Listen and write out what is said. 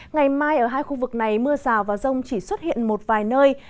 ngày mai ở hai khu vực này mưa rào và rông chỉ xuất hiện một vài nơi